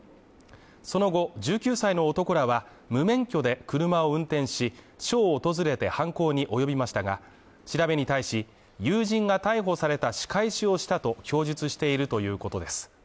その後、１９歳の男らは無免許で車を運転し、署を訪れて犯行におよびましたが、調べに対し、友人が逮捕された仕返しをしたと供述しているということです。